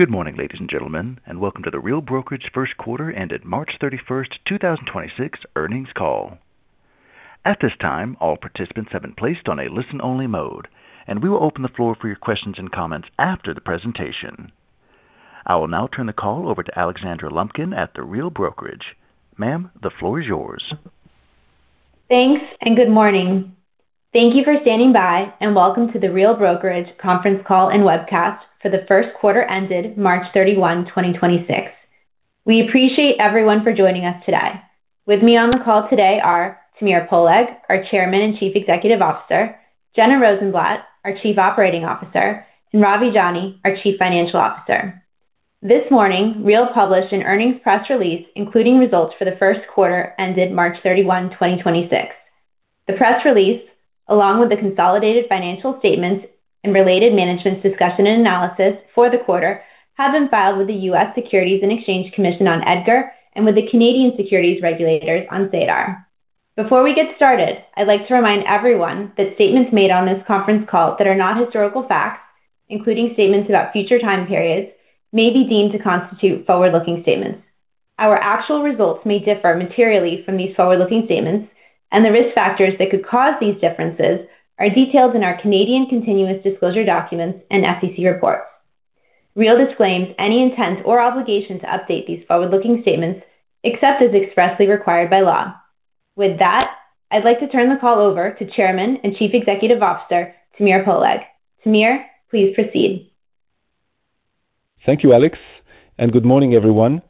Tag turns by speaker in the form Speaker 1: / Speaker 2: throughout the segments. Speaker 1: Good morning, ladies and gentlemen, and welcome to The Real Brokerage first quarter ended March 31st, 2026 earnings call. At this time, all participants have been placed on a listen-only mode, and we will open the floor for your questions and comments after the presentation. I will now turn the call over to Alexandra Lumpkin at The Real Brokerage. Ma'am, the floor is yours.
Speaker 2: Thanks, good morning. Thank you for standing by, welcome to The Real Brokerage conference call and webcast for the first quarter ended March 31, 2026. We appreciate everyone for joining us today. With me on the call today are Tamir Poleg, our Chairman and Chief Executive Officer, Jenna Rozenblat, our Chief Operating Officer, and Ravi Jani, our Chief Financial Officer. This morning, Real published an earnings press release, including results for the first quarter ended March 31, 2026. The press release, along with the consolidated financial statements and related management's discussion and analysis for the quarter, have been filed with the U.S. Securities and Exchange Commission on EDGAR and with the Canadian securities regulators on SEDAR. Before we get started, I'd like to remind everyone that statements made on this conference call that are not historical facts, including statements about future time periods, may be deemed to constitute forward-looking statements. Our actual results may differ materially from these forward-looking statements, and the risk factors that could cause these differences are detailed in our Canadian continuous disclosure documents and SEC reports. Real disclaims any intent or obligation to update these forward-looking statements except as expressly required by law. I'd like to turn the call over to Chairman and Chief Executive Officer, Tamir Poleg. Tamir, please proceed.
Speaker 3: Thank you, Alix. Good morning, everyone.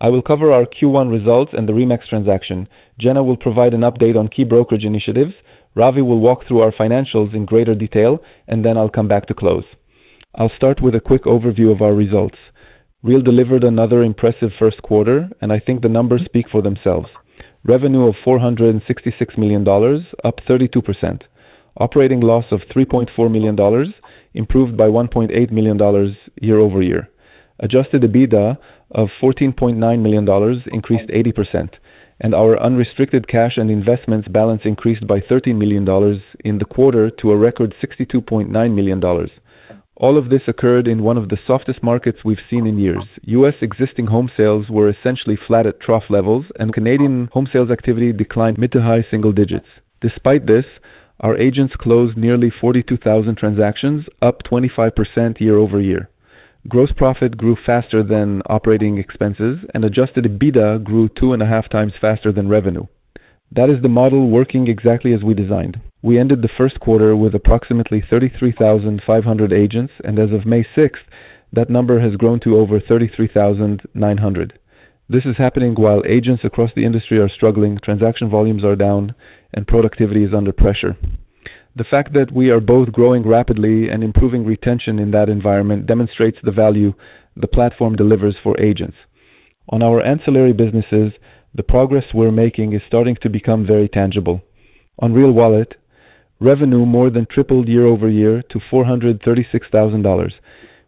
Speaker 3: I will cover our Q1 results and the RE/MAX transaction. Jenna will provide an update on key brokerage initiatives. Ravi will walk through our financials in greater detail. Then I'll come back to close. I'll start with a quick overview of our results. Real delivered another impressive first quarter. I think the numbers speak for themselves. Revenue of $466 million, up 32%. Operating loss of $3.4 million, improved by $1.8 million year-over-year. Adjusted EBITDA of $14.9 million increased 80%. Our unrestricted cash and investments balance increased by $13 million in the quarter to a record $62.9 million. All of this occurred in one of the softest markets we've seen in years. U.S. existing home sales were essentially flat at trough levels, and Canadian home sales activity declined mid-to-high single digits. Despite this, our agents closed nearly 42,000 transactions, up 25% year-over-year. Gross profit grew faster than operating expenses, and adjusted EBITDA grew 2.5x faster than revenue. That is the model working exactly as we designed. We ended the first quarter with approximately 33,500 agents, and as of May sixth, that number has grown to over 33,900. This is happening while agents across the industry are struggling, transaction volumes are down, and productivity is under pressure. The fact that we are both growing rapidly and improving retention in that environment demonstrates the value the platform delivers for agents. On our ancillary businesses, the progress we're making is starting to become very tangible. On Real Wallet, revenue more than tripled year-over-year to $436,000.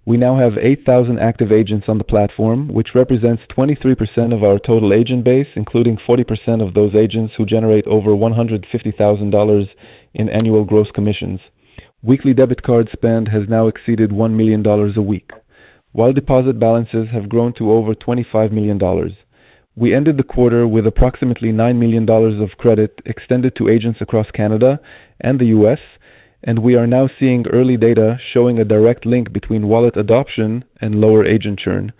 Speaker 3: We now have 8,000 active agents on the platform, which represents 23% of our total agent base, including 40% of those agents who generate over $150,000 in annual gross commissions. Weekly debit card spend has now exceeded $1 million a week. While deposit balances have grown to over $25 million, we ended the quarter with approximately $9 million of credit extended to agents across Canada and the U.S., and we are now seeing early data showing a direct link between Wallet adoption and lower agent churn.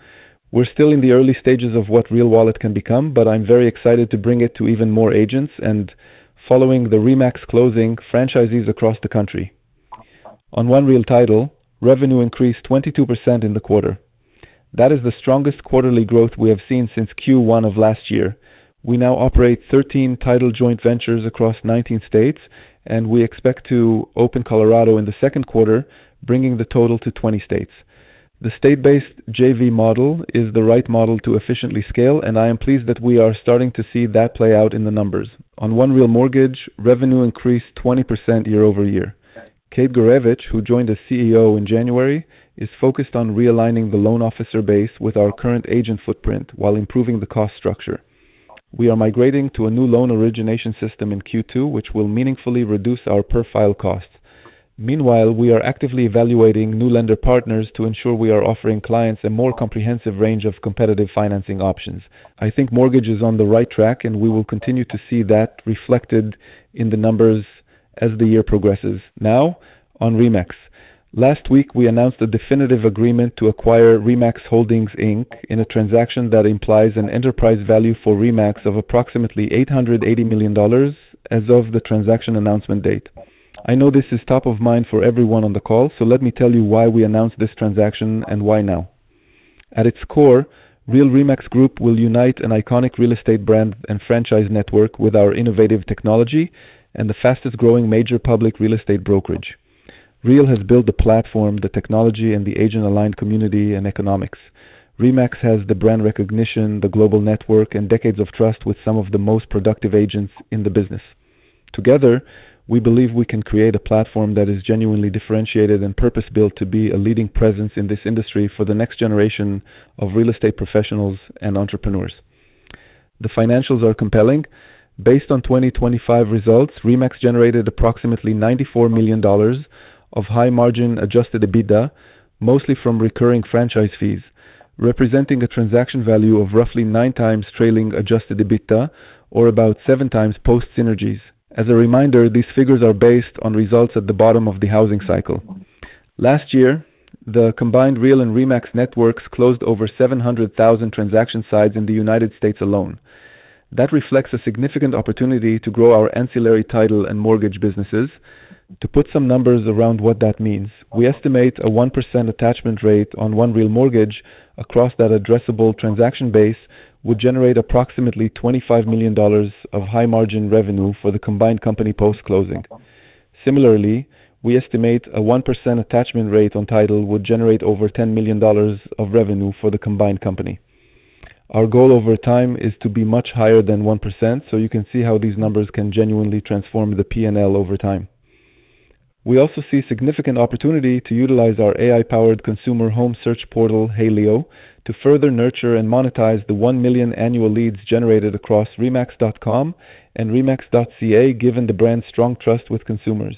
Speaker 3: We're still in the early stages of what Real Wallet can become. I'm very excited to bring it to even more agents and following the RE/MAX closing franchisees across the country. On One Real Title, revenue increased 22% in the quarter. That is the strongest quarterly growth we have seen since Q1 of last year. We now operate 13 title joint ventures across 19 states, and we expect to open Colorado in the second quarter, bringing the total to 20 states. The state-based JV model is the right model to efficiently scale, and I am pleased that we are starting to see that play out in the numbers. On One Real Mortgage, revenue increased 20% year-over-year. Kate Gurevich, who joined as CEO in January, is focused on realigning the loan officer base with our current agent footprint while improving the cost structure. We are migrating to a new loan origination system in Q2, which will meaningfully reduce our per-file costs. Meanwhile, we are actively evaluating new lender partners to ensure we are offering clients a more comprehensive range of competitive financing options. I think mortgage is on the right track, we will continue to see that reflected in the numbers as the year progresses. Now, on RE/MAX. Last week, we announced a definitive agreement to acquire RE/MAX Holdings, Inc. in a transaction that implies an enterprise value for RE/MAX of approximately $880 million as of the transaction announcement date. I know this is top of mind for everyone on the call, let me tell you why we announced this transaction and why now. At its core, Real REMAX Group will unite an iconic real estate brand and franchise network with our innovative technology and the fastest-growing major public real estate brokerage. Real has built the platform, the technology, and the agent-aligned community and economics. RE/MAX has the brand recognition, the global network, and decades of trust with some of the most productive agents in the business. Together, we believe we can create a platform that is genuinely differentiated and purpose-built to be a leading presence in this industry for the next generation of real estate professionals and entrepreneurs. The financials are compelling. Based on 2025 results, RE/MAX generated approximately $94 million of high-margin adjusted EBITDA, mostly from recurring franchise fees, representing a transaction value of roughly 9x trailing adjusted EBITDA or about 7x post synergies. As a reminder, these figures are based on results at the bottom of the housing cycle. Last year, the combined Real and RE/MAX networks closed over 700,000 transaction sides in the United States alone. That reflects a significant opportunity to grow our ancillary title and mortgage businesses. To put some numbers around what that means, we estimate a 1% attachment rate on One Real Mortgage across that addressable transaction base would generate approximately $25 million of high-margin revenue for the combined company post-closing. Similarly, we estimate a 1% attachment rate on title would generate over $10 million of revenue for the combined company. Our goal over time is to be much higher than 1%, so you can see how these numbers can genuinely transform the P&L over time. We also see significant opportunity to utilize our AI-powered consumer home search portal, HeyLeo, to further nurture and monetize the 1 million annual leads generated across remax.com and remax.ca, given the brand's strong trust with consumers.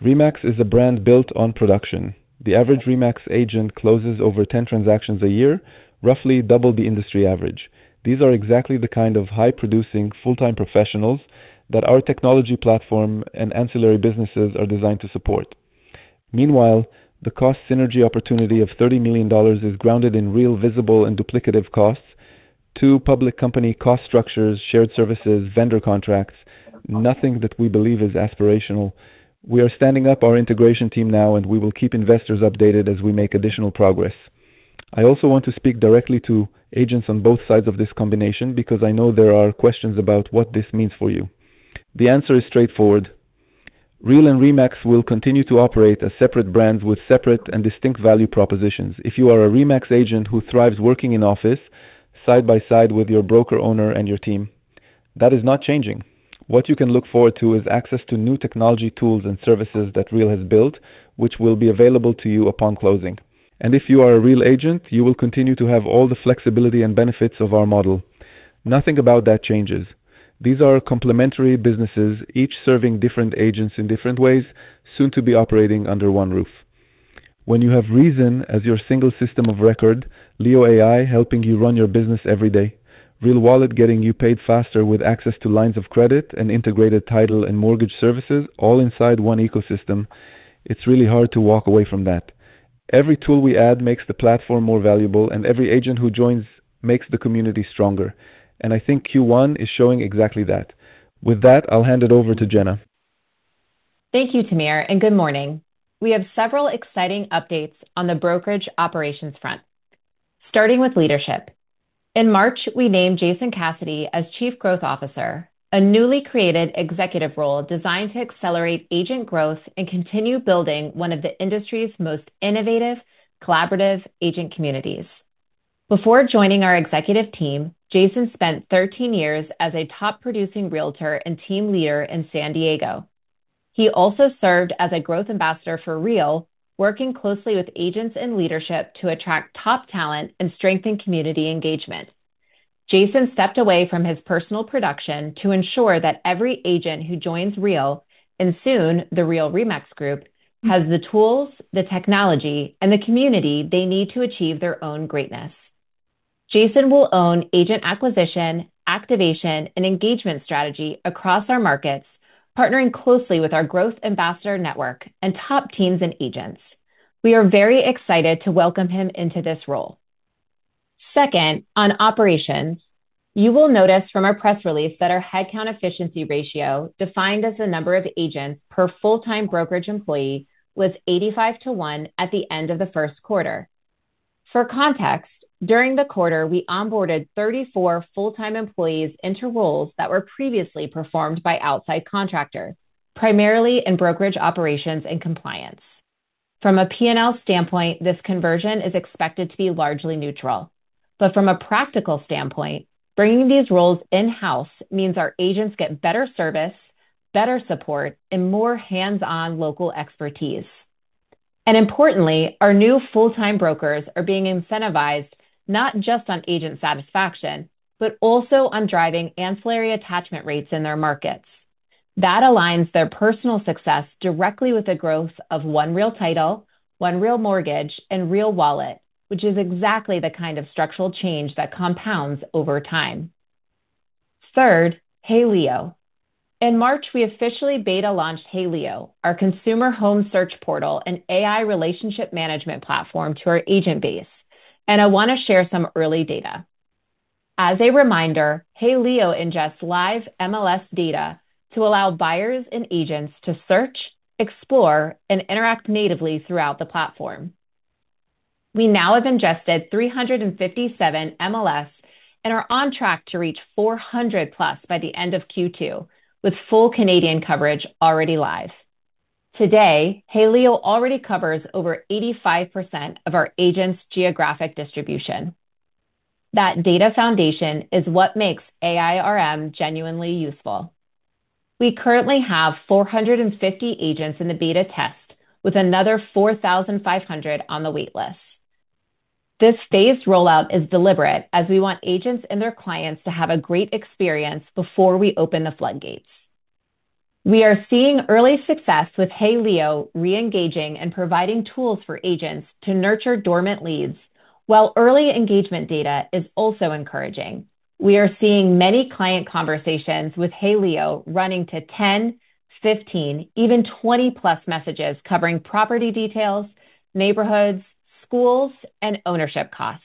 Speaker 3: RE/MAX is a brand built on production. The average RE/MAX agent closes over 10 transactions a year, roughly double the industry average. These are exactly the kind of high-producing full-time professionals that our technology platform and ancillary businesses are designed to support. Meanwhile, the cost synergy opportunity of $30 million is grounded in real visible and duplicative costs. Two public company cost structures, shared services, vendor contracts, nothing that we believe is aspirational. We are standing up our integration team now, and we will keep investors updated as we make additional progress. I also want to speak directly to agents on both sides of this combination because I know there are questions about what this means for you. The answer is straightforward. Real and RE/MAX will continue to operate as separate brands with separate and distinct value propositions. If you are a RE/MAX agent who thrives working in office side by side with your broker owner and your team, that is not changing. What you can look forward to is access to new technology tools and services that Real has built, which will be available to you upon closing. If you are a Real agent, you will continue to have all the flexibility and benefits of our model. Nothing about that changes. These are complementary businesses, each serving different agents in different ways, soon to be operating under one roof. When you have reZEN as your single system of record, Leo AI helping you run your business every day, Real Wallet getting you paid faster with access to lines of credit and integrated title and mortgage services all inside one ecosystem, it's really hard to walk away from that. Every tool we add makes the platform more valuable and every agent who joins makes the community stronger. I think Q1 is showing exactly that. With that, I'll hand it over to Jenna.
Speaker 4: Thank you, Tamir, and good morning. We have several exciting updates on the brokerage operations front. Starting with leadership. In March, we named Jason Cassity as Chief Growth Officer, a newly created executive role designed to accelerate agent growth and continue building one of the industry's most innovative, collaborative agent communities. Before joining our executive team, Jason spent 13 years as a top-producing realtor and team leader in San Diego. He also served as a growth ambassador for Real, working closely with agents and leadership to attract top talent and strengthen community engagement. Jason stepped away from his personal production to ensure that every agent who joins Real, and soon the Real RE/MAX Group, has the tools, the technology, and the community they need to achieve their own greatness. Jason will own agent acquisition, activation, and engagement strategy across our markets, partnering closely with our growth ambassador network and top teams and agents. We are very excited to welcome him into this role. Second, on operations. You will notice from our press release that our headcount efficiency ratio, defined as the number of agents per full-time brokerage employee, was 85 to one at the end of the first quarter. For context, during the quarter, we onboarded 34 full-time employees into roles that were previously performed by outside contractors, primarily in brokerage operations and compliance. From a P&L standpoint, this conversion is expected to be largely neutral. From a practical standpoint, bringing these roles in-house means our agents get better service, better support, and more hands-on local expertise. Importantly, our new full-time brokers are being incentivized not just on agent satisfaction, but also on driving ancillary attachment rates in their markets. That aligns their personal success directly with the growth of One Real Title, One Real Mortgage, and Real Wallet, which is exactly the kind of structural change that compounds over time. Third, HeyLeo. In March, we officially beta launched HeyLeo, our consumer home search portal and AI relationship management platform to our agent base, and I want to share some early data. As a reminder, HeyLeo ingests live MLS data to allow buyers and agents to search, explore, and interact natively throughout the platform. We now have ingested 357 MLS and are on track to reach 400+ by the end of Q2, with full Canadian coverage already live. Today, HeyLeo already covers over 85% of our agents' geographic distribution. That data foundation is what makes AI RM genuinely useful. We currently have 450 agents in the beta test, with another 4,500 on the wait list. This phased rollout is deliberate, as we want agents and their clients to have a great experience before we open the floodgates. We are seeing early success with HeyLeo re-engaging and providing tools for agents to nurture dormant leads, while early engagement data is also encouraging. We are seeing many client conversations with HeyLeo running to 10, 15, even 20+ messages covering property details, neighborhoods, schools, and ownership costs.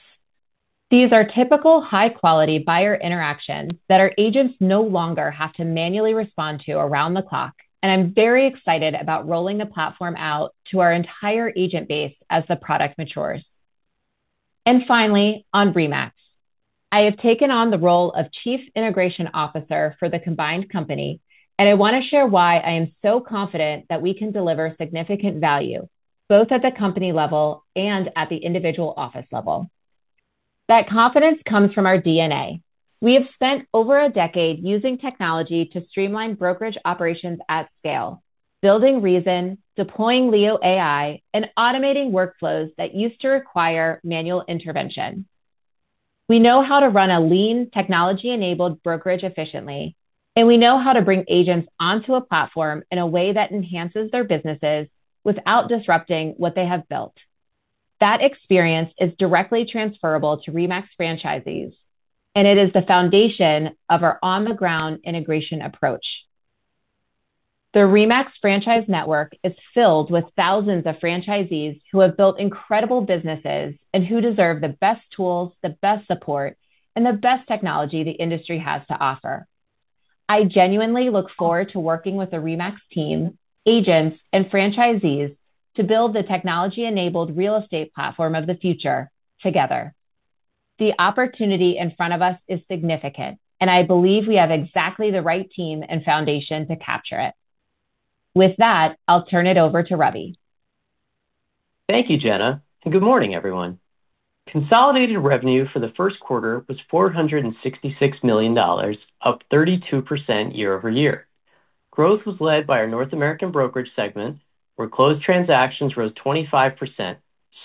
Speaker 4: These are typical high-quality buyer interactions that our agents no longer have to manually respond to around the clock, and I'm very excited about rolling the platform out to our entire agent base as the product matures. Finally, on RE/MAX. I have taken on the role of chief integration officer for the combined company, and I want to share why I am so confident that we can deliver significant value, both at the company level and at the individual office level. That confidence comes from our DNA. We have spent over a decade using technology to streamline brokerage operations at scale, building reZEN, deploying Leo AI, and automating workflows that used to require manual intervention. We know how to run a lean, technology-enabled brokerage efficiently, and we know how to bring agents onto a platform in a way that enhances their businesses without disrupting what they have built. That experience is directly transferable to RE/MAX franchisees, and it is the foundation of our on-the-ground integration approach. The RE/MAX franchise network is filled with thousands of franchisees who have built incredible businesses and who deserve the best tools, the best support, and the best technology the industry has to offer. I genuinely look forward to working with the RE/MAX team, agents, and franchisees to build the technology-enabled real estate platform of the future together. The opportunity in front of us is significant, and I believe we have exactly the right team and foundation to capture it. With that, I'll turn it over to Ravi.
Speaker 5: Thank you, Jenna, good morning, everyone. Consolidated revenue for the first quarter was $466 million, up 32% year-over-year. Growth was led by our North American brokerage segment, where closed transactions rose 25%,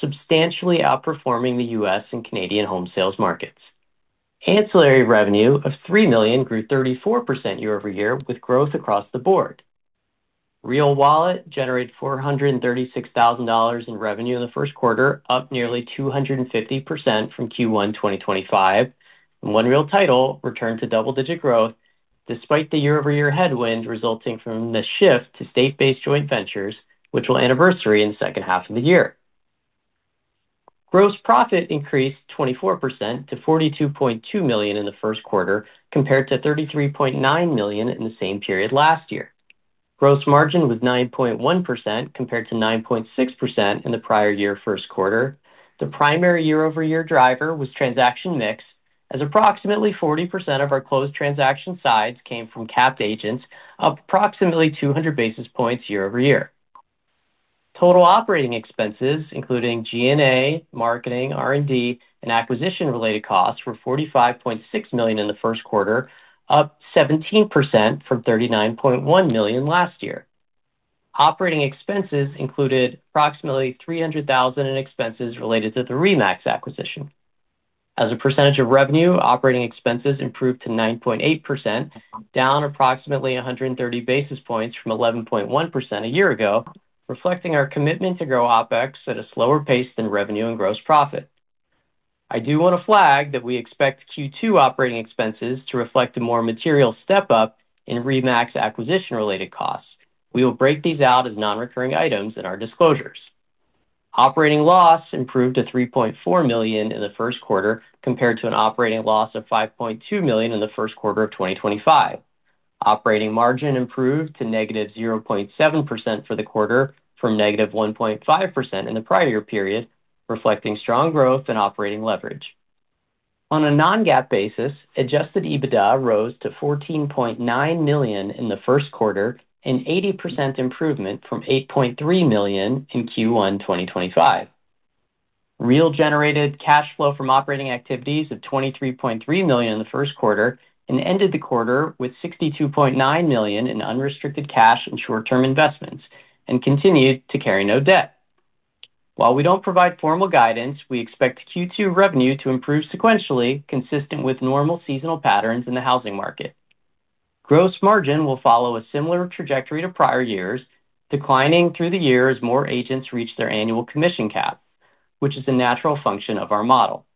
Speaker 5: substantially outperforming the U.S. and Canadian home sales markets. Ancillary revenue of $3 million grew 34% year-over-year, with growth across the board. Real Wallet generated $436,000 in revenue in the first quarter, up nearly 250% from Q1 2025. One Real Title returned to double-digit growth despite the year-over-year headwind resulting from the shift to state-based joint ventures, which will anniversary in the second half of the year. Gross profit increased 24% to $42.2 million in the first quarter, compared to $33.9 million in the same period last year. Gross margin was 9.1%, compared to 9.6% in the prior year first quarter. The primary year-over-year driver was transaction mix, as approximately 40% of our closed transaction sides came from capped agents, up approximately 200 basis points year-over-year. Total operating expenses, including G&A, marketing, R&D, and acquisition-related costs, were $45.6 million in the first quarter, up 17% from $39.1 million last year. Operating expenses included approximately $300,000 in expenses related to the RE/MAX acquisition. As a percentage of revenue, operating expenses improved to 9.8%, down approximately 130 basis points from 11.1% a year ago, reflecting our commitment to grow OpEx at a slower pace than revenue and gross profit. I do want to flag that we expect Q2 operating expenses to reflect a more material step up in RE/MAX acquisition-related costs. We will break these out as non-recurring items in our disclosures. Operating loss improved to $3.4 million in the first quarter, compared to an operating loss of $5.2 million in the first quarter of 2025. Operating margin improved to -0.7% for the quarter from -1.5% in the prior period, reflecting strong growth and operating leverage. On a non-GAAP basis, adjusted EBITDA rose to $14.9 million in the first quarter, an 80% improvement from $8.3 million in Q1 2025. Real generated cash flow from operating activities of $23.3 million in the first quarter and ended the quarter with $62.9 million in unrestricted cash and short-term investments and continued to carry no debt. While we don't provide formal guidance, we expect Q2 revenue to improve sequentially, consistent with normal seasonal patterns in the housing market. Gross margin will follow a similar trajectory to prior years, declining through the year as more agents reach their annual commission cap, which is a natural function of our model.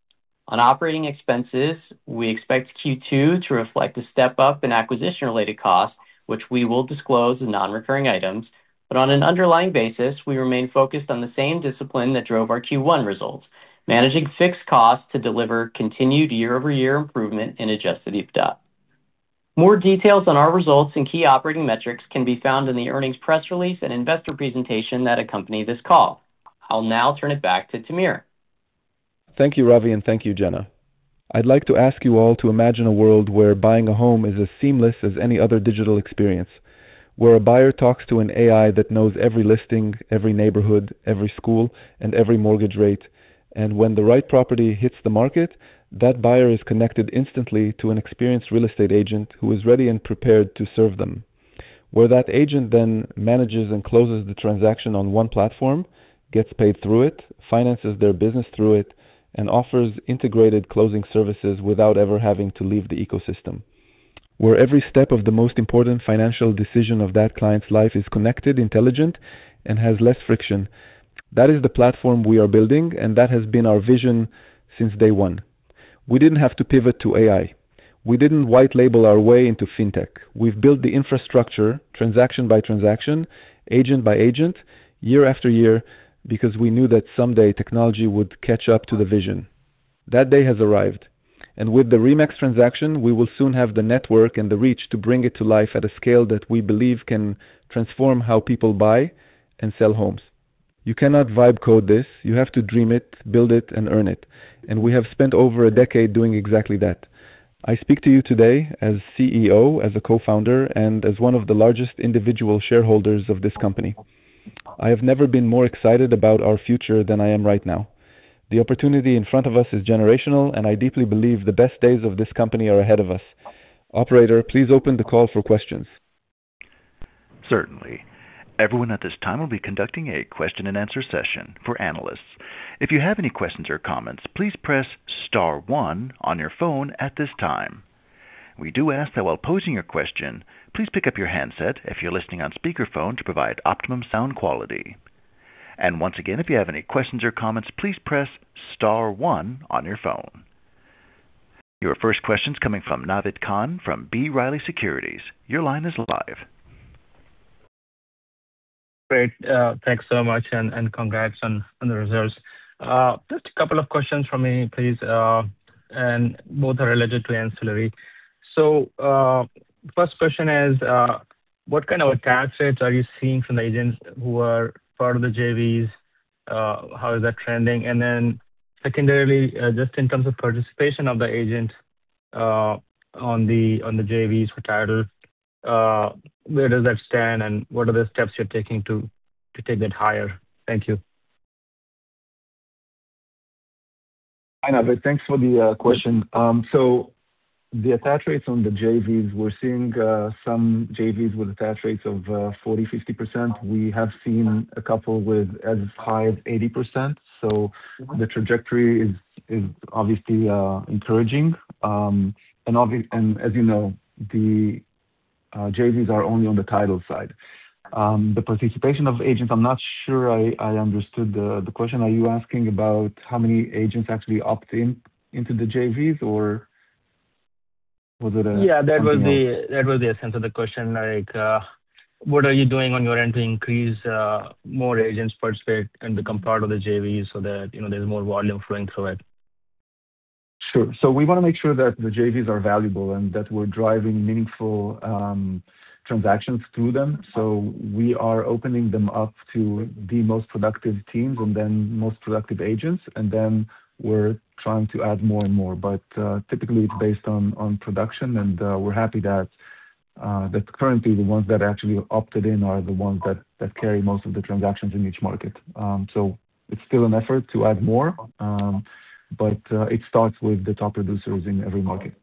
Speaker 5: On operating expenses, we expect Q2 to reflect a step up in acquisition-related costs, which we will disclose in non-recurring items. On an underlying basis, we remain focused on the same discipline that drove our Q1 results, managing fixed costs to deliver continued year-over-year improvement in adjusted EBITDA. More details on our results and key operating metrics can be found in the earnings press release and investor presentation that accompany this call. I'll now turn it back to Tamir.
Speaker 3: Thank you, Ravi, and thank you, Jenna. I'd like to ask you all to imagine a world where buying a home is as seamless as any other digital experience. Where a buyer talks to an AI that knows every listing, every neighborhood, every school, and every mortgage rate. When the right property hits the market, that buyer is connected instantly to an experienced real estate agent who is ready and prepared to serve them. Where that agent then manages and closes the transaction on one platform, gets paid through it, finances their business through it, and offers integrated closing services without ever having to leave the ecosystem. Where every step of the most important financial decision of that client's life is connected, intelligent, and has less friction. That is the platform we are building, and that has been our vision since day one. We didn't have to pivot to AI. We didn't white label our way into fintech. We've built the infrastructure transaction by transaction, agent by agent, year after year, because we knew that someday technology would catch up to the vision. That day has arrived. With the RE/MAX transaction, we will soon have the network and the reach to bring it to life at a scale that we believe can transform how people buy and sell homes. You cannot vibe code this. You have to dream it, build it, and earn it. We have spent over a decade doing exactly that. I speak to you today as CEO, as a co-founder, and as one of the largest individual shareholders of this company. I have never been more excited about our future than I am right now. The opportunity in front of us is generational, and I deeply believe the best days of this company are ahead of us. Operator, please open the call for questions.
Speaker 1: Certainly. Everyone at this time will be conducting a question-and-answer session for analysts. If you have any questions or comments, please press star one on your phone at this time. We do ask that while posing your question, please pick up your handset if you're listening on speakerphone to provide optimum sound quality. Once again, if you have any questions or comments, please press star one on your phone. Your first question's coming from Naved Khan from B. Riley Securities. Your line is live.
Speaker 6: Great. Thanks so much and congrats on the results. Just a couple of questions from me, please, both are related to ancillary. First question is, what kind of attach rates are you seeing from the agents who are part of the JVs? How is that trending? Secondarily, just in terms of participation of the agent on the JVs for title, where does that stand, and what are the steps you're taking to take that higher? Thank you.
Speaker 3: Hi, Naved. Thanks for the question. The attach rates on the JVs, we're seeing some JVs with attach rates of 40%, 50%. We have seen a couple with as high as 80%, the trajectory is obviously encouraging. As you know, the JVs are only on the title side. The participation of agents, I'm not sure I understood the question. Are you asking about how many agents actually opt-in into the JVs, or was it something else?
Speaker 6: Yeah, that was the essence of the question. Like, what are you doing on your end to increase more agents participate and become part of the JV so that, you know, there's more volume flowing through it?
Speaker 3: Sure. We wanna make sure that the JVs are valuable and that we're driving meaningful transactions through them. We are opening them up to the most productive teams and then most productive agents, and then we're trying to add more and more. Typically it's based on production, and we're happy that currently the ones that actually opted in are the ones that carry most of the transactions in each market. It's still an effort to add more, but it starts with the top producers in every market.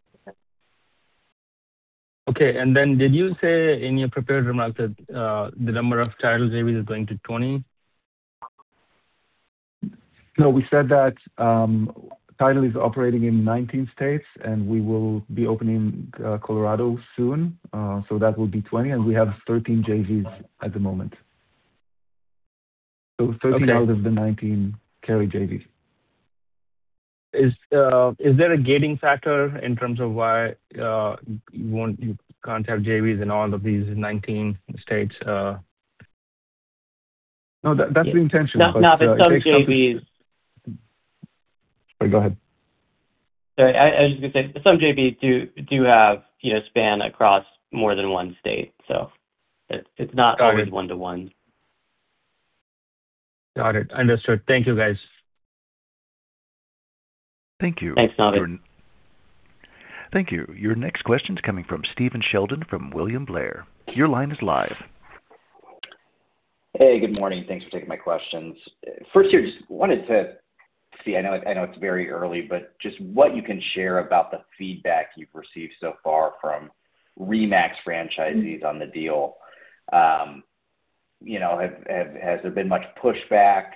Speaker 6: Okay. Did you say in your prepared remarks that, the number of title JVs is going to 20?
Speaker 3: No. We said that One Real Title is operating in 19 states, and we will be opening Colorado soon. That will be 20, and we have 13 JVs at the moment.
Speaker 6: Okay.
Speaker 3: 13 out of the 19 carry JVs.
Speaker 6: Is, is there a gating factor in terms of why you can't have JVs in all of these 19 states?
Speaker 3: No. That's the intention.
Speaker 5: Naved, some JVs.
Speaker 3: Oh, go ahead.
Speaker 5: Sorry. I, as you can say, some JVs do have, you know, span across more than one state.
Speaker 6: Got it.
Speaker 5: always one to one.
Speaker 6: Got it. Understood. Thank you, guys.
Speaker 1: Thank you.
Speaker 5: Thanks, Naved.
Speaker 1: Thank you. Your next question's coming from Stephen Sheldon from William Blair. Your line is live.
Speaker 7: Hey. Good morning. Thanks for taking my questions. First here, just wanted to see, I know, I know it's very early, but just what you can share about the feedback you've received so far from RE/MAX franchisees on the deal. you know, has there been much pushback?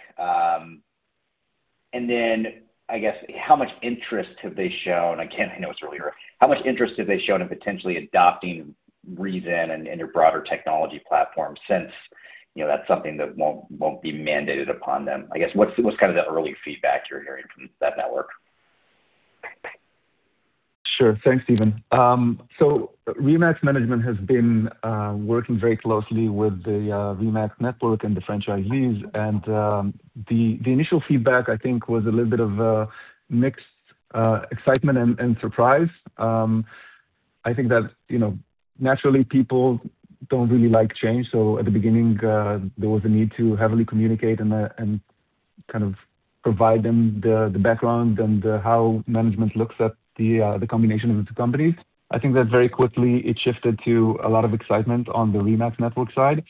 Speaker 7: Then, I guess, how much interest have they shown, again, I know it's really early, how much interest have they shown in potentially adopting reZEN and your broader technology platform since, you know, that's something that won't be mandated upon them? I guess what's kind of the early feedback you're hearing from that network?
Speaker 3: Sure. Thanks, Stephen. RE/MAX Management has been working very closely with the RE/MAX network and the franchisees. The initial feedback I think was a little bit of a mixed excitement and surprise. I think that, you know, naturally people don't really like change. At the beginning, there was a need to heavily communicate and kind of provide them the background and how management looks at the combination of the two companies. I think that very quickly it shifted to a lot of excitement on the RE/MAX network side.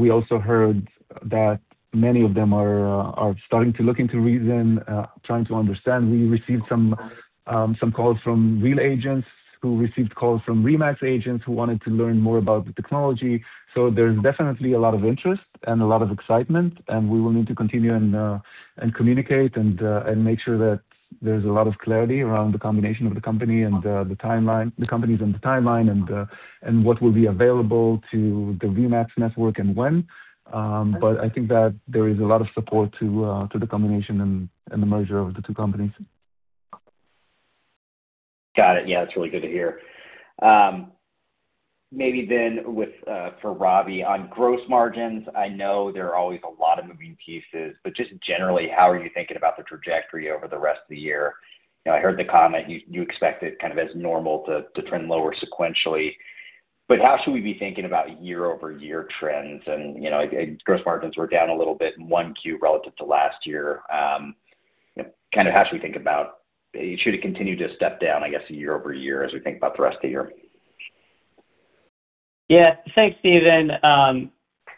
Speaker 3: We also heard that many of them are starting to look into reZEN, trying to understand. We received some calls from Real agents who received calls from RE/MAX agents who wanted to learn more about the technology. There's definitely a lot of interest and a lot of excitement, and we will need to continue and communicate and make sure that there's a lot of clarity around the combination of the company and the companies and the timeline and what will be available to the RE/MAX network and when. I think that there is a lot of support to the combination and the merger of the two companies.
Speaker 7: Got it. Yeah, that's really good to hear. Maybe then with Ravi, on gross margins, I know there are always a lot of moving pieces, but just generally, how are you thinking about the trajectory over the rest of the year? You know, I heard the comment, you expect it kind of as normal to trend lower sequentially. How should we be thinking about year-over-year trends? You know, gross margins were down a little bit in 1Q relative to last year. Kind of how should we think about Should it continue to step down, I guess, year-over-year as we think about the rest of the year?
Speaker 5: Thanks, Stephen. I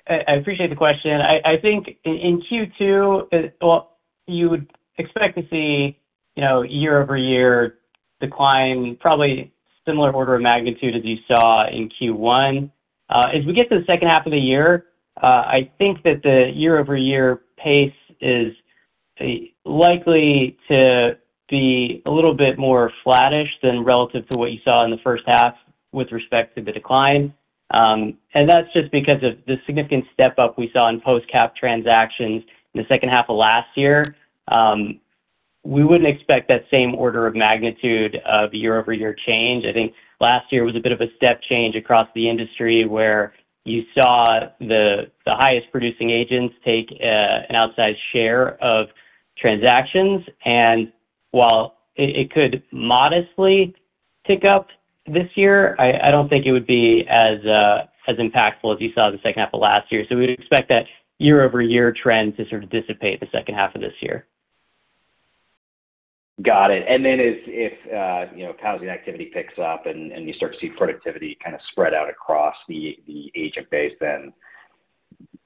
Speaker 5: appreciate the question. I think in Q2, well, you know, year-over-year decline, probably similar order of magnitude as you saw in Q1. As we get to the second half of the year, I think that the year-over-year pace is likely to be a little bit more flattish than relative to what you saw in the first half with respect to the decline. That's just because of the significant step-up we saw in post-cap transactions in the second half of last year. We wouldn't expect that same order of magnitude of year-over-year change. I think last year was a bit of a step change across the industry, where you saw the highest producing agents take an outsized share of transactions. While it could modestly tick up this year, I don't think it would be as impactful as you saw in the second half of last year. We would expect that year-over-year trend to sort of dissipate the second half of this year.
Speaker 7: Got it. If, you know, housing activity picks up and you start to see productivity kind of spread out across the agent base, then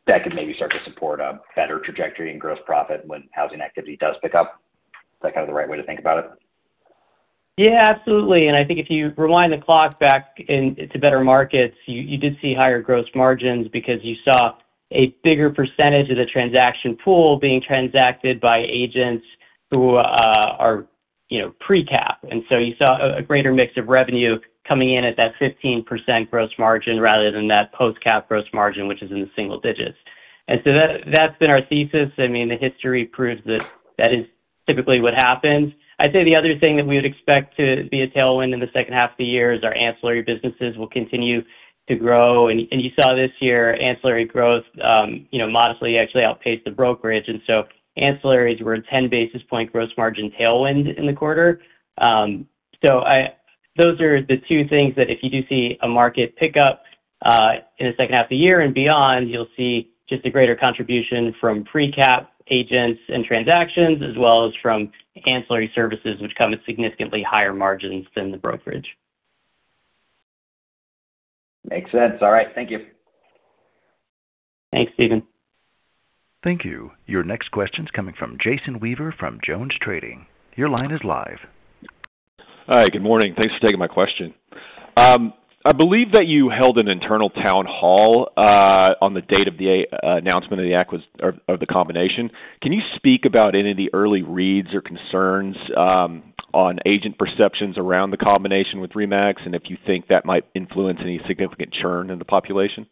Speaker 7: that could maybe start to support a better trajectory in gross profit when housing activity does pick up. Is that kind of the right way to think about it?
Speaker 5: Yeah, absolutely. I think if you rewind the clock back to better markets, you did see higher gross margins because you saw a bigger percentage of the transaction pool being transacted by agents who are, you know, pre-cap. You saw a greater mix of revenue coming in at that 15% gross margin rather than that post-cap gross margin, which is in the single digits. That's been our thesis. I mean, the history proves that that is typically what happens. I'd say the other thing that we would expect to be a tailwind in the second half of the year is our ancillary businesses will continue to grow. You saw this year ancillary growth, you know, modestly actually outpaced the brokerage. Ancillaries were a 10 basis point gross margin tailwind in the quarter. Those are the two things that if you do see a market pick-up, in the second half of the year and beyond, you'll see just a greater contribution from pre-cap agents and transactions, as well as from ancillary services, which come at significantly higher margins than the brokerage.
Speaker 7: Makes sense. All right. Thank you.
Speaker 5: Thanks, Stephen.
Speaker 1: Thank you. Your next question's coming from Jason Weaver from JonesTrading. Your line is live.
Speaker 8: Hi. Good morning. Thanks for taking my question. I believe that you held an internal town hall on the date of the announcement of the or the combination. Can you speak about any of the early reads or concerns on agent perceptions around the combination with RE/MAX, and if you think that might influence any significant churn in the population?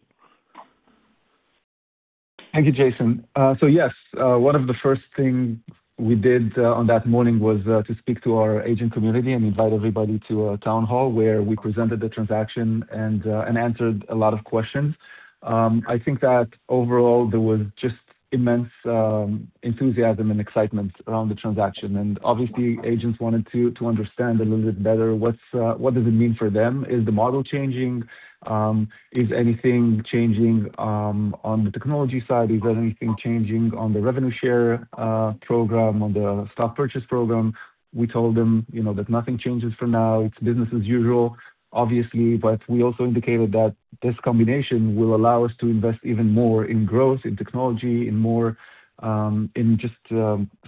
Speaker 3: Thank you, Jason. Yes, one of the first thing we did on that morning was to speak to our agent community and invite everybody to a town hall where we presented the transaction and answered a lot of questions. I think that overall, there was just immense enthusiasm and excitement around the transaction. Obviously, agents wanted to understand a little bit better what's what does it mean for them. Is the model changing? Is anything changing on the technology side? Is there anything changing on the revenue share program, on the stock purchase program? We told them, you know, that nothing changes for now. It's business as usual, obviously. We also indicated that this combination will allow us to invest even more in growth, in technology, in more, in just,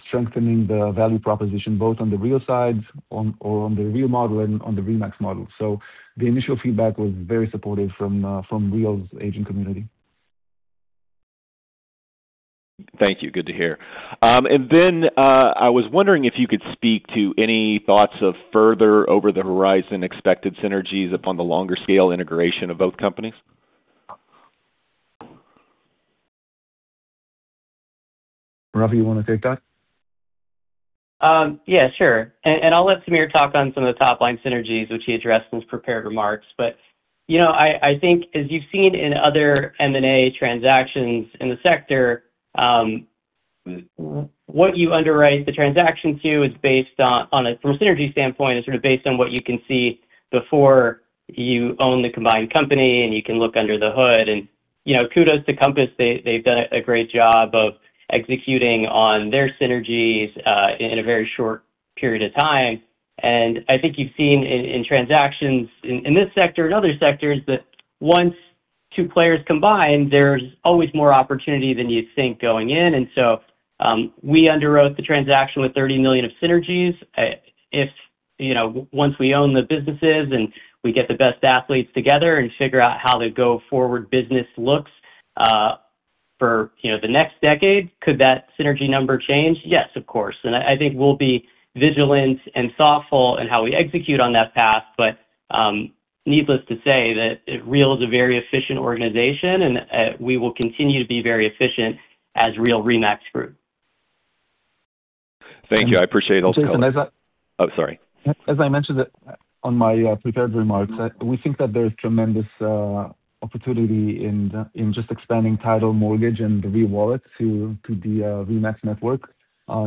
Speaker 3: strengthening the value proposition, both on the Real sides or on the Real model and on the RE/MAX model. The initial feedback was very supportive from Real's agent community.
Speaker 8: Thank you. Good to hear. I was wondering if you could speak to any thoughts of further over-the-horizon expected synergies upon the longer scale integration of both companies?
Speaker 3: Ravi, you wanna take that?
Speaker 5: Yeah, sure. I'll let Tamir talk on some of the top-line synergies, which he addressed in his prepared remarks. You know, I think as you've seen in other M&A transactions in the sector, what you underwrite the transaction to is based on from a synergy standpoint, is sort of based on what you can see before you own the combined company and you can look under the hood. You know, kudos to Compass. They've done a great job of executing on their synergies in a very short period of time. I think you've seen in transactions in this sector and other sectors that once two players combine, there's always more opportunity than you'd think going in. We underwrote the transaction with $30 million of synergies. If, you know, once we own the businesses and we get the best athletes together and figure out how the go forward business looks, for, you know, the next decade, could that synergy number change? Yes, of course. I think we'll be vigilant and thoughtful in how we execute on that path. Needless to say that Real is a very efficient organization and we will continue to be very efficient as Real RE/MAX Group.
Speaker 8: Thank you. I appreciate it.
Speaker 3: Jason, as I-
Speaker 8: Oh, sorry.
Speaker 3: As I mentioned it on my prepared remarks, we think that there's tremendous opportunity in just expanding title mortgage and the Real Wallet to the RE/MAX network,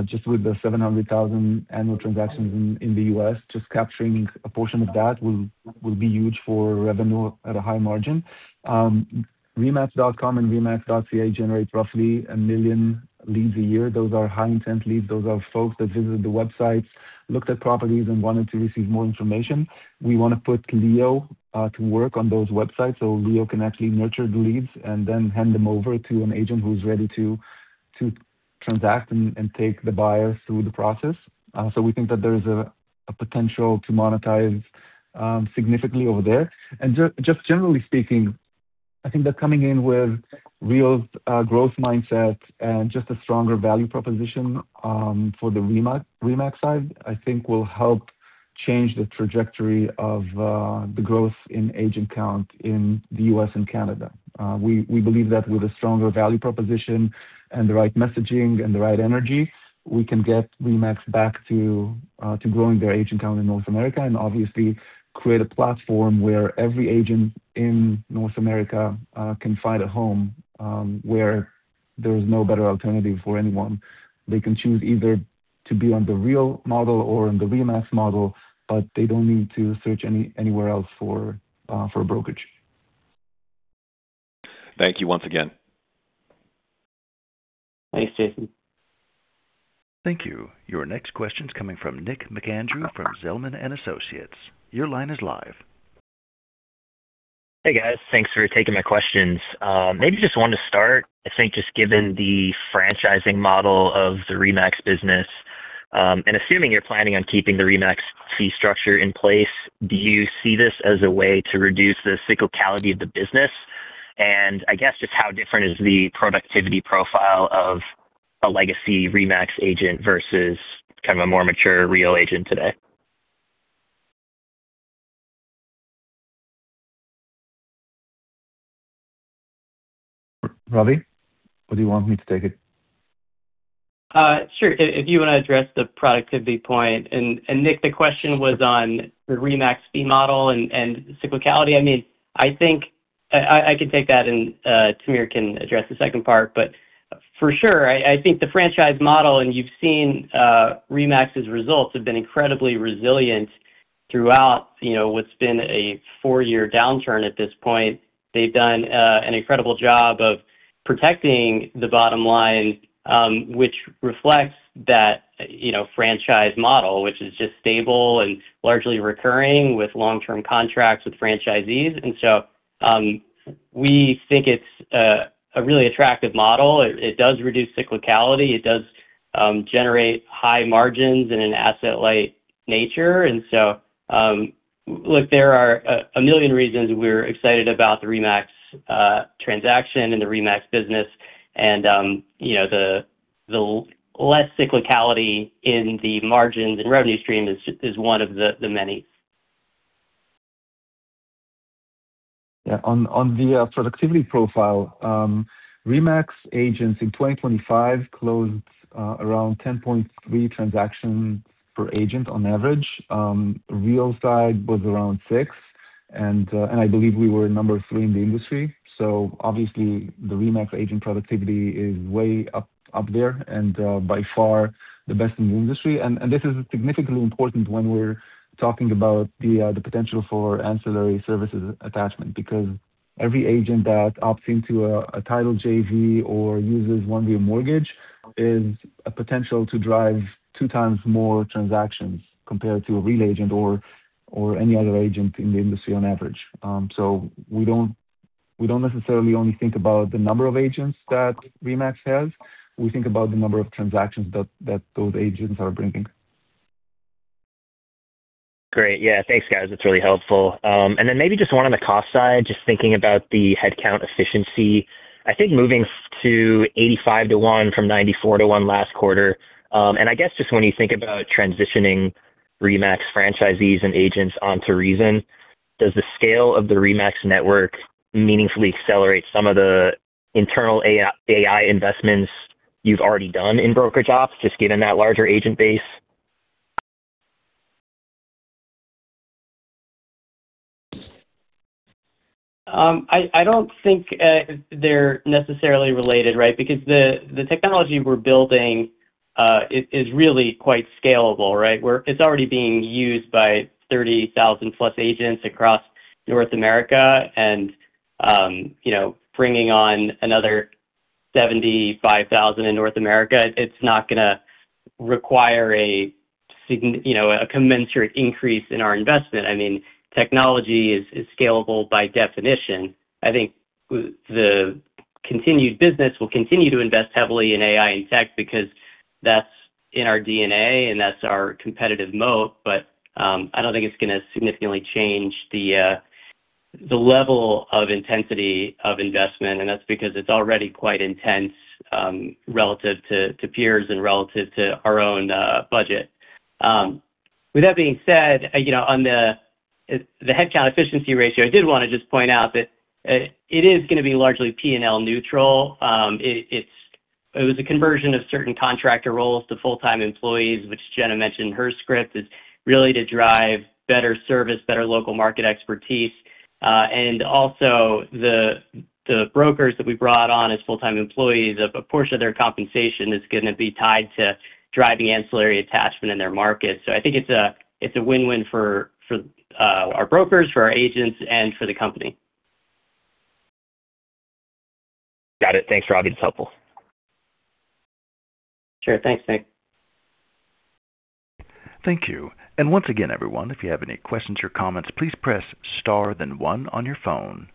Speaker 3: just with the 700,000 annual transactions in the U.S. Just capturing a portion of that will be huge for revenue at a high margin. remax.com and remax.ca generate roughly 1 million leads a year. Those are high intent leads. Those are folks that visited the websites, looked at properties and wanted to receive more information. We wanna put Leo to work on those websites so Leo can actually nurture the leads and then hand them over to an agent who's ready to transact and take the buyer through the process. We think that there is a potential to monetize significantly over there. Just generally speaking, I think that coming in with Real's growth mindset and just a stronger value proposition for the RE/MAX side, I think will help change the trajectory of the growth in agent count in the U.S. and Canada. We believe that with a stronger value proposition and the right messaging and the right energy, we can get RE/MAX back to growing their agent count in North America, and obviously create a platform where every agent in North America can find a home where there is no better alternative for anyone. They can choose either to be on the Real model or on the RE/MAX model, but they don't need to search anywhere else for a brokerage.
Speaker 8: Thank you once again.
Speaker 5: Thanks, Jason.
Speaker 1: Thank you. Your next question's coming from Nick McAndrew from Zelman & Associates. Your line is live.
Speaker 9: Hey, guys. Thanks for taking my questions. Maybe just wanted to start, I think just given the franchising model of the RE/MAX business, and assuming you're planning on keeping the RE/MAX fee structure in place, do you see this as a way to reduce the cyclicality of the business? I guess just how different is the productivity profile of a legacy RE/MAX agent versus kind of a more mature Real agent today?
Speaker 3: Ravi, or do you want me to take it?
Speaker 5: Sure. If you wanna address the productivity point. Nick, the question was on the RE/MAX fee model and cyclicality. I mean, I think I can take that and Tamir can address the second part. For sure, I think the franchise model, and you've seen RE/MAX's results have been incredibly resilient throughout, you know, what's been a four-year downturn at this point. They've done an incredible job of protecting the bottom line, which reflects that, you know, franchise model, which is just stable and largely recurring with long-term contracts with franchisees. We think it's a really attractive model. It does reduce cyclicality. It does generate high margins in an asset-light nature. Look, there are a million reasons we're excited about the RE/MAX transaction and the RE/MAX business and, you know, the less cyclicality in the margins and revenue stream is one of the many.
Speaker 3: Yeah. On the productivity profile, RE/MAX agents in 2025 closed around 10.3 transactions per agent on average. Real side was around six. I believe we were number three in the industry. Obviously the RE/MAX agent productivity is way up there and by far the best in the industry. This is significantly important when we're talking about the potential for ancillary services attachment, because every agent that opts into a title JV or uses One Real Mortgage is a potential to drive 2x more transactions compared to a Real agent or any other agent in the industry on average. We don't necessarily only think about the number of agents that RE/MAX has. We think about the number of transactions that those agents are bringing.
Speaker 9: Great. Yeah. Thanks, guys. That's really helpful. Then maybe just one on the cost side, just thinking about the headcount efficiency. I think moving to 85 to 1 from 94 to 1 last quarter. I guess just when you think about transitioning RE/MAX franchisees and agents onto reZEN, does the scale of the RE/MAX network meaningfully accelerate some of the internal AI investments you've already done in brokerage ops, just given that larger agent base?
Speaker 5: I don't think they're necessarily related, right? Because the technology we're building is really quite scalable, right? It's already being used by 30,000 plus agents across North America and, you know, bringing on another 75,000 in North America, it's not gonna require, you know, a commensurate increase in our investment. I mean, technology is scalable by definition. I think the continued business will continue to invest heavily in AI and tech because that's in our DNA, and that's our competitive moat. I don't think it's gonna significantly change the level of intensity of investment, and that's because it's already quite intense, relative to peers and relative to our own budget. With that being said, you know, on the headcount efficiency ratio, I did wanna just point out that it is gonna be largely P&L neutral. It was a conversion of certain contractor roles to full-time employees, which Jenna mentioned in her script. It's really to drive better service, better local market expertise. Also the brokers that we brought on as full-time employees, a portion of their compensation is gonna be tied to driving ancillary attachment in their market. I think it's a win-win for our brokers, for our agents, and for the company.
Speaker 9: Got it. Thanks, Ravi. That's helpful.
Speaker 5: Sure. Thanks, Nick.
Speaker 1: Thank you. Once again, everyone, if you have any questions or comments, please press star then one on your phone.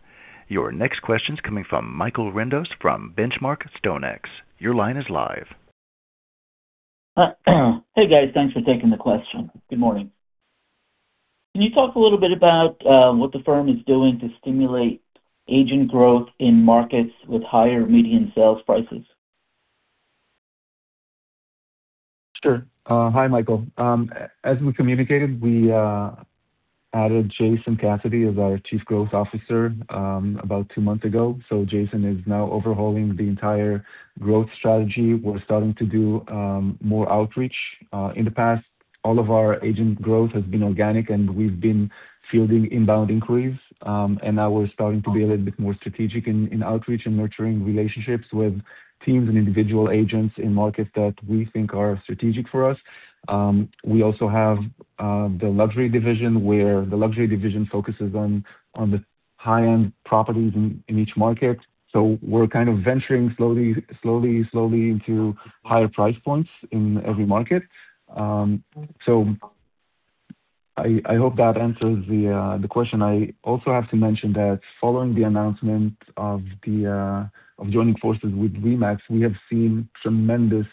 Speaker 1: Your next question's coming from Michael Rindos from Benchmark StoneX. Your line is live.
Speaker 10: Hey, guys. Thanks for taking the question. Good morning. Can you talk a little bit about what the firm is doing to stimulate agent growth in markets with higher median sales prices?
Speaker 3: Sure. Hi, Michael. As we communicated, we added Jason Cassity as our Chief Growth Officer about two months ago. Jason is now overhauling the entire growth strategy. We're starting to do more outreach. In the past, all of our agent growth has been organic, and we've been fielding inbound inquiries. Now we're starting to be a little bit more strategic in outreach and nurturing relationships with teams and individual agents in markets that we think are strategic for us. We also have the luxury division, where the luxury division focuses on the high-end properties in each market. We're kind of venturing slowly, slowly into higher price points in every market. I hope that answers the question. I also have to mention that following the announcement of joining forces with RE/MAX, we have seen tremendous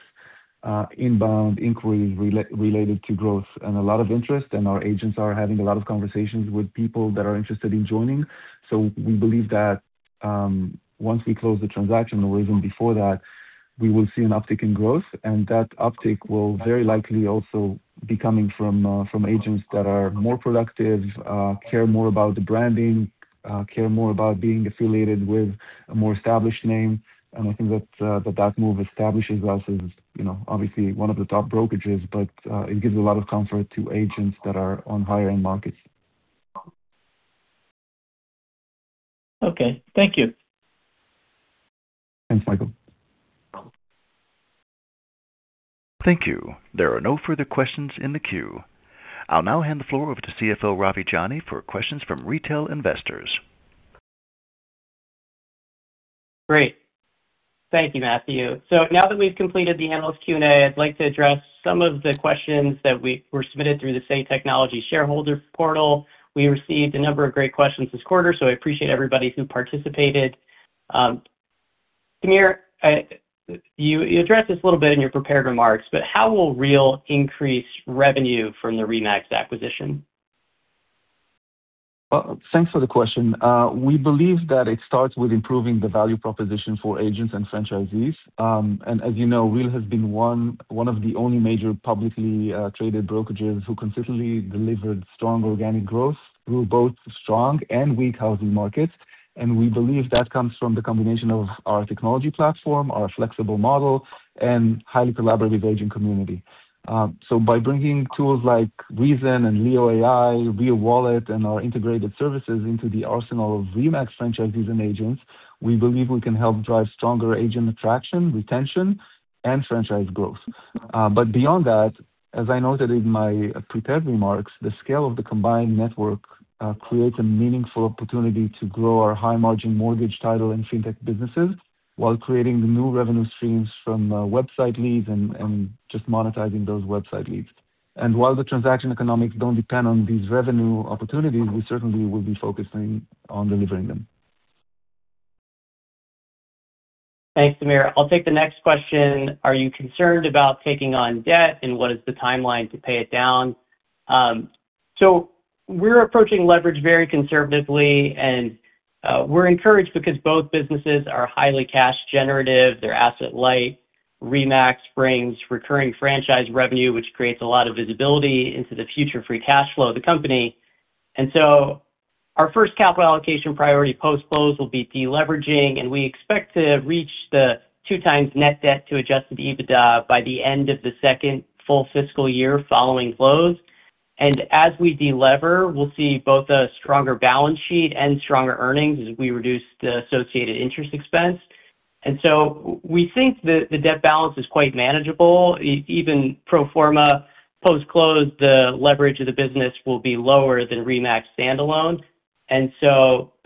Speaker 3: inbound inquiries related to growth and a lot of interest, and our agents are having a lot of conversations with people that are interested in joining. We believe that once we close the transaction or even before that, we will see an uptick in growth. That uptick will very likely also be coming from agents that are more productive, care more about the branding, care more about being affiliated with a more established name. I think that that move establishes us as, you know, obviously one of the top brokerages, but it gives a lot of comfort to agents that are on higher-end markets.
Speaker 10: Okay. Thank you.
Speaker 3: Thanks, Michael.
Speaker 1: Thank you. There are no further questions in the queue. I'll now hand the floor over to CFO Ravi Jani for questions from retail investors.
Speaker 5: Great. Thank you, Matthew. Now that we've completed the analyst Q&A, I'd like to address some of the questions that we were submitted through the Say Technologies Shareholders portal. We received a number of great questions this quarter, so I appreciate everybody who participated. Tamir, you addressed this a little bit in your prepared remarks, but how will Real increase revenue from the RE/MAX acquisition?
Speaker 3: Well, thanks for the question. We believe that it starts with improving the value proposition for agents and franchisees. As you know, Real has been one of the only major publicly traded brokerages who consistently delivered strong organic growth through both strong and weak housing markets. We believe that comes from the combination of our technology platform, our flexible model, and highly collaborative agent community. By bringing tools like reZEN and Leo AI, Real Wallet, and our integrated services into the arsenal of RE/MAX franchisees and agents, we believe we can help drive stronger agent attraction, retention, and franchise growth. Beyond that, as I noted in my prepared remarks, the scale of the combined network creates a meaningful opportunity to grow our high-margin mortgage title and fintech businesses while creating the new revenue streams from website leads and just monetizing those website leads. While the transaction economics don't depend on these revenue opportunities, we certainly will be focusing on delivering them.
Speaker 5: Thanks, Tamir. I'll take the next question: Are you concerned about taking on debt, and what is the timeline to pay it down? We're approaching leverage very conservatively, and we're encouraged because both businesses are highly cash generative. They're asset light. RE/MAX brings recurring franchise revenue, which creates a lot of visibility into the future free cash flow of the company. Our first capital allocation priority post-close will be deleveraging, and we expect to reach the 2x net debt to adjusted EBITDA by the end of the second full fiscal year following close. As we de-lever, we'll see both a stronger balance sheet and stronger earnings as we reduce the associated interest expense. We think the debt balance is quite manageable. Even pro forma post-close, the leverage of the business will be lower than RE/MAX standalone.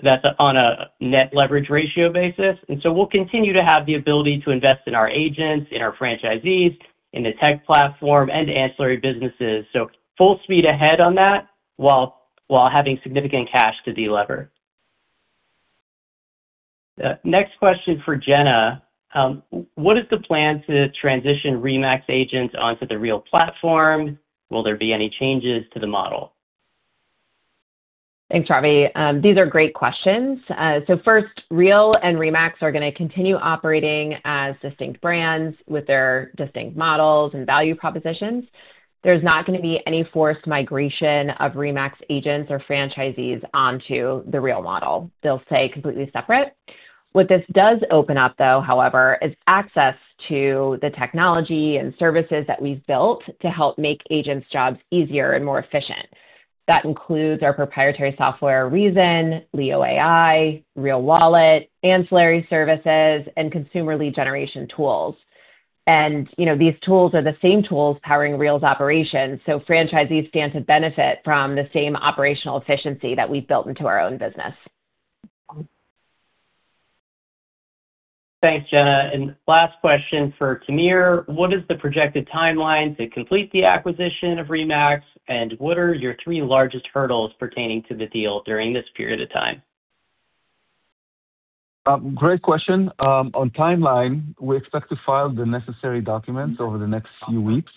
Speaker 5: That's on a net leverage ratio basis. We'll continue to have the ability to invest in our agents, in our franchisees, in the tech platform and ancillary businesses. Full speed ahead on that while having significant cash to delever. Next question for Jenna. What is the plan to transition RE/MAX agents onto the Real platform? Will there be any changes to the model?
Speaker 4: Thanks, Ravi. These are great questions. First, Real and RE/MAX are gonna continue operating as distinct brands with their distinct models and value propositions. There's not gonna be any forced migration of RE/MAX agents or franchisees onto the Real model. They'll stay completely separate. What this does open up though, however, is access to the technology and services that we've built to help make agents' jobs easier and more efficient. That includes our proprietary software reZEN, Leo AI, Real Wallet, ancillary services, and consumer lead generation tools. You know, these tools are the same tools powering Real's operations, franchisees stand to benefit from the same operational efficiency that we've built into our own business.
Speaker 5: Thanks, Jenna. Last question for Tamir. What is the projected timeline to complete the acquisition of RE/MAX, and what are your three largest hurdles pertaining to the deal during this period of time?
Speaker 3: Great question. On timeline, we expect to file the necessary documents over the next few weeks.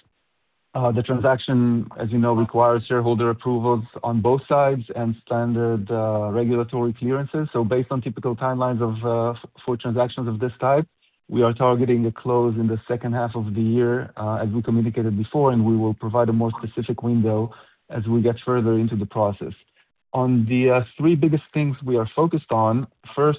Speaker 3: The transaction, as you know, requires shareholder approvals on both sides and standard regulatory clearances. Based on typical timelines of for transactions of this type, we are targeting a close in the second half of the year, as we communicated before, and we will provide a more specific window as we get further into the process. On the three biggest things we are focused on, first,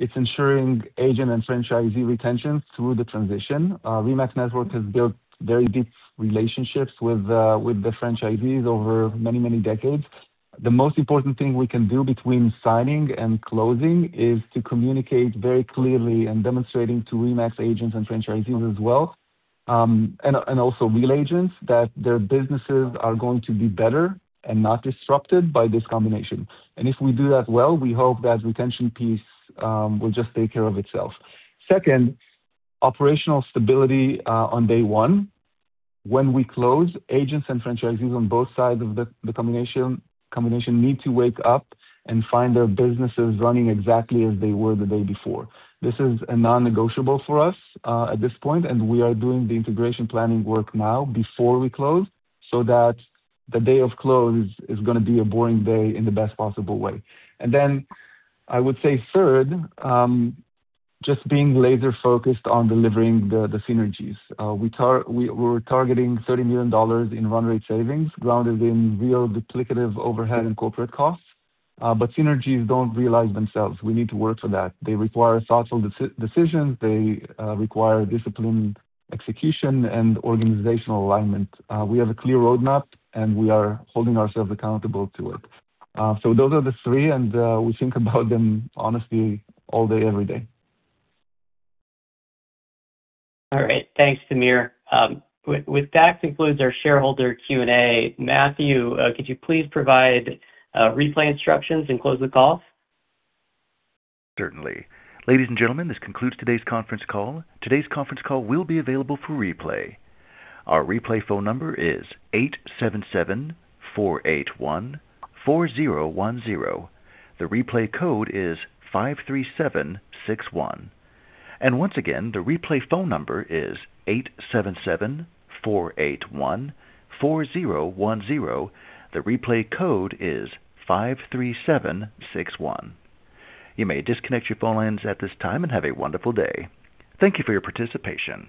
Speaker 3: it's ensuring agent and franchisee retention through the transition. RE/MAX Network has built very deep relationships with the franchisees over many, many decades. The most important thing we can do between signing and closing is to communicate very clearly and demonstrating to RE/MAX agents and franchisees as well, and also Real agents that their businesses are going to be better and not disrupted by this combination. If we do that well, we hope that retention piece will just take care of itself. Second, operational stability on day one. When we close, agents and franchisees on both sides of the combination need to wake up and find their businesses running exactly as they were the day before. This is a non-negotiable for us at this point, and we are doing the integration planning work now before we close so that the day of close is going to be a boring day in the best possible way. Then I would say third, just being laser-focused on delivering the synergies. We're targeting $30 million in run rate savings grounded in Real duplicative overhead and corporate costs. Synergies don't realize themselves. We need to work for that. They require thoughtful decision. They require disciplined execution and organizational alignment. We have a clear roadmap, and we are holding ourselves accountable to it. Those are the three, and we think about them honestly all day, every day.
Speaker 5: All right. Thanks, Tamir. With that concludes our shareholder Q&A. Matthew, could you please provide replay instructions and close the call?
Speaker 1: Certainly. Ladies and gentlemen, this concludes today's conference call. Today's conference call will be available for replay. Our replay phone number is 877-481-4010. The replay code is 53761. Once again, the replay phone number is 877-481-4010. The replay code is 53761. You may disconnect your phone lines at this time, and have a wonderful day. Thank you for your participation.